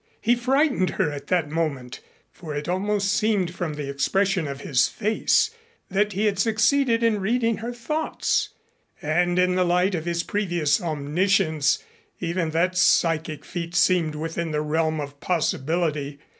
He frightened her at that moment, for it almost seemed from the expression of his face that he had succeeded in reading her thoughts and in the light of his previous omniscience even that psychic feat seemed within the realm of possibility.